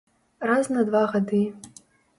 Раз на два гады.